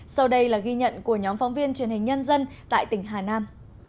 sau đây là ghi nhận của nhóm phóng viên truyền hình nhân dân tại tỉnh hà nam